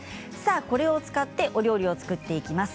これを使ったお料理を作っていきます。